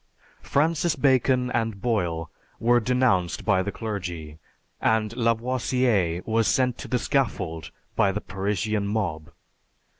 Francis Bacon and Boyle were denounced by the clergy, and Lavoisier was sent to the scaffold by the Parisian mob.